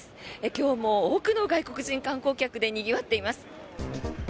今日も多くの外国人観光客でにぎわっています。